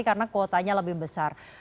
karena kuotanya lebih besar